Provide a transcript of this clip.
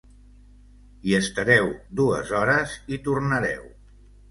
Hi estareu dues hores i tornareu.